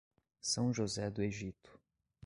São José do Egito